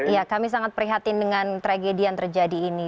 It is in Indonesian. ya kami sangat prihatin dengan tragedi yang terjadi ini